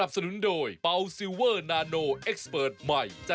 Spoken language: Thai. ได้แล้วโอเคช่วงหน้ามาฟังกันค่ะ